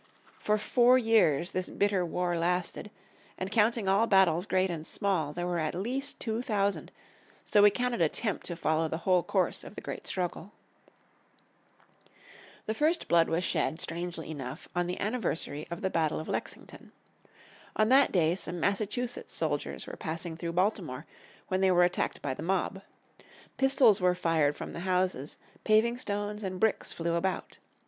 For four years this bitter war lasted, and counting all battles great and small there were at least two thousand, so we cannot attempt to follow the whole course of the great struggle. The first blood was shed, strangely enough, on the anniversary of the battle of Lexington. On that day, 19th April, 1861, some Massachusetts soldiers were passing through Baltimore, when they were attacked by the mob. Pistols were fired from the houses, paving stones and bricks flew about.